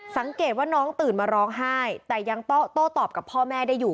สังเกตว่าน้องตื่นมาร้องไห้แต่ยังโต้ตอบกับพ่อแม่ได้อยู่